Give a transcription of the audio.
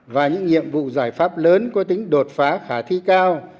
và những nhiệm vụ giải pháp lớn có tính đột phá khả thi cao